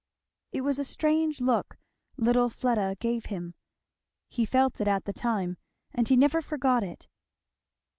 It was a strange look little Fleda gave him. He felt it at the time, and he never forgot it.